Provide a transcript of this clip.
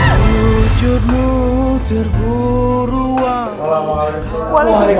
umiut jantung bayi pada antuman